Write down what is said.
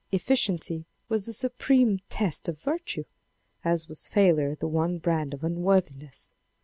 Efficiency was the supreme test of virtue, as was failure the one brand of unworthiness.